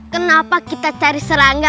kenapa kita cari serangga